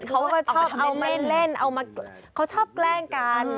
เขาก็ชอบเอามาเล่นเขาชอบแกล้งกัน